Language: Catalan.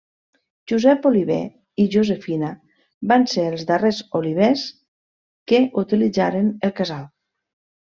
Josep Oliver i Josefina van ser els darrers olivers que utilitzaren el casal.